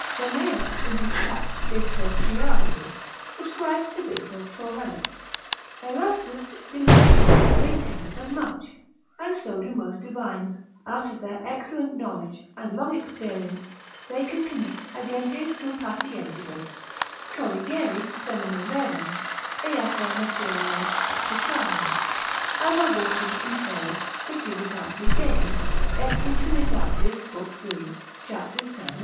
Daneus in his tract de Sortiariis subscribes to this of Taurellus; Erastus de lamiis, maintaineth as much, and so do most divines, out of their excellent knowledge and long experience they can commit agentes cum patientibus, colligere semina rerum, eaque materiae applicare, as Austin infers de Civ. Dei et de Trinit. lib. 3. cap. 7. et 8.